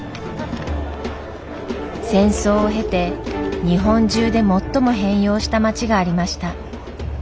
戦争を経て日本中で最も変容した町がありました。